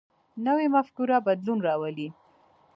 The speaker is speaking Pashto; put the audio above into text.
نوی مفکوره بدلون راولي